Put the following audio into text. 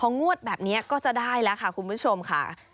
งวดแบบนี้ก็จะได้แล้วค่ะคุณผู้ชมค่ะ